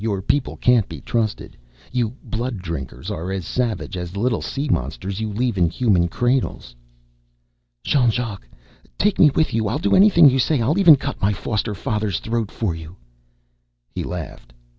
Your people can't be trusted. You blood drinkers are as savage as the little sea monsters you leave in Human cradles." "Jean Jacques, take me with you! I'll do anything you say! I'll even cut my foster father's throat for you!" He laughed.